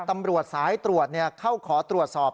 ตำรวจสายตรวจเข้าขอตรวจสอบ